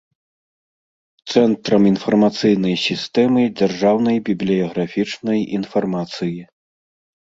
Цэнтрам iнфармацыйнай сiстэмы дзяржаўнай бiблiяграфiчнай iнфармацыi.